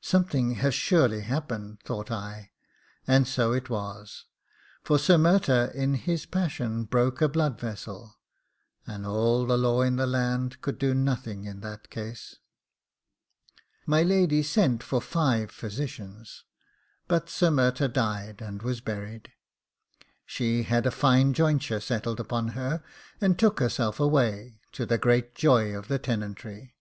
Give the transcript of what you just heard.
Something has surely happened, thought I; and so it was, for Sir Murtagh in his passion broke a blood vessel, and all the law in the land could do nothing in that case. My lady sent for five physicians, but Sir Murtagh died, and was buried. She had a fine jointure settled upon her, and took herself away, to the great joy of the tenantry.